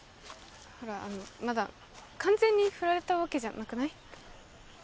ほらあのまだ完全にフラれたわけじゃなくない？